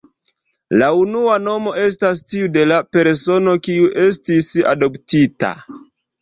La unua nomo estas tiu de la persono, kiu estis adoptita.